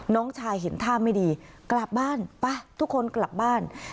น้องชายเห็นท่าไม่ดีกลับบ้านไปทุกคนกลับบ้าน